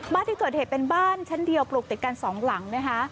บ้านที่เกิดเหตุเป็นบ้านชั้นเดียวปลูกติดกันสองหลังนะคะ